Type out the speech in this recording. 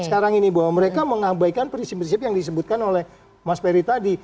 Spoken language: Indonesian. sekarang ini bahwa mereka mengabaikan prinsip prinsip yang disebutkan oleh mas ferry tadi